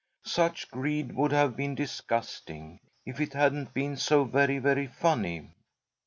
Such greed would have been disgusting, if it hadn't been so very, very funny.